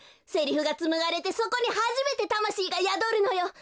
セリフがつむがれてそこにはじめてたましいがやどるのよ。